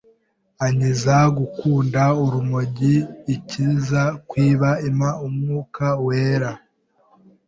ankiza gukunda urumogi, ikiza kwiba impa umwuka wera,